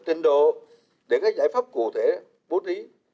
trình độ để các giải pháp cụ thể bố trí